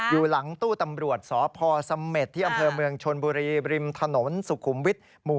อยู่หลังตู้ตำรวจสพสที่อำเภอเมืองชนบุรี